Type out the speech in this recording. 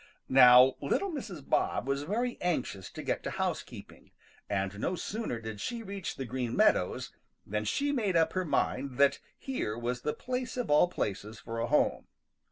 Now little Mrs. Bob was very anxious to get to housekeeping, and no sooner did she reach the Green Meadows than she made up her mind that here was the place of all places for a home.